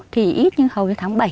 thì ít nhưng hầu như tháng bảy